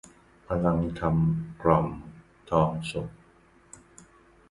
พลังธรรม กล่อมทองสุข